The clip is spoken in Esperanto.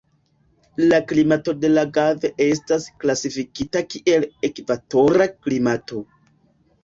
La klimato de Lagave estas klasifikita kiel ekvatora klimato.